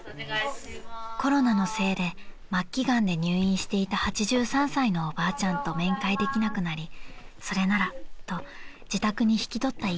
［コロナのせいで末期がんで入院していた８３歳のおばあちゃんと面会できなくなりそれならと自宅に引き取った一家です］